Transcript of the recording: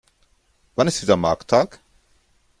Wann ist wieder Markttag?